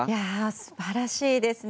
素晴らしいですね。